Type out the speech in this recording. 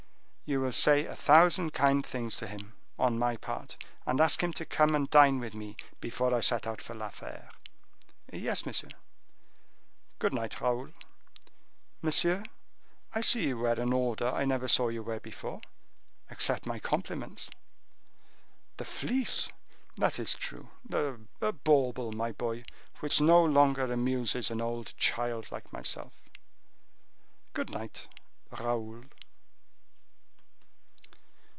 "You will say a thousand kind things to him, on my part, and ask him to come and dine with me before I set out for La Fere." "Yes, monsieur." "Good might, Raoul!" "Monsieur, I see you wear an order I never saw you wear before; accept my compliments." "The Fleece!—that is true. A bauble, my boy, which no longer amuses an old child like myself. Good night, Raoul!"